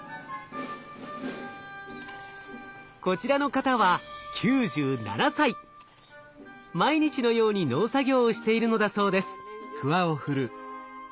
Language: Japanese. こちらの方は毎日のように農作業をしているのだそうです。